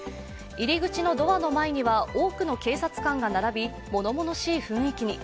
入り口のドアの前には多くの警察官が並び、ものものしい雰囲気に。